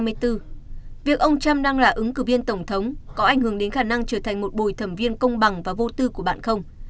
việc ông trump đang là ứng cử viên tổng thống có ảnh hưởng đến khả năng trở thành một bồi thẩm viên công bằng và vô tư của bạn không